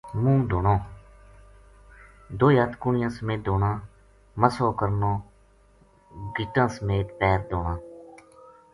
منہ دھونو، دوئے ہتھ کہنیاں سمیت دھونا، مسحو کرنو، گٹاں سمیت پیر دھونا۔